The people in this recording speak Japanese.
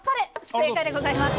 正解でございます。